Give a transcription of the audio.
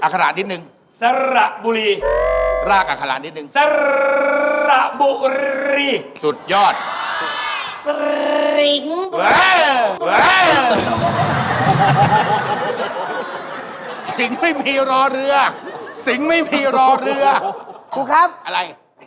ครูครับอะไรไปสอนที่โรงเรียนกันเถอะ